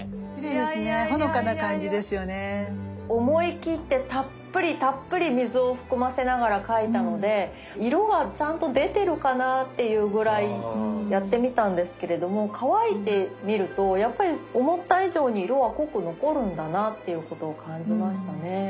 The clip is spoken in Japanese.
思い切ってたっぷりたっぷり水を含ませながら描いたので色はちゃんと出てるかなっていうぐらいやってみたんですけれども乾いてみるとやっぱり思った以上に色は濃く残るんだなっていうことを感じましたね。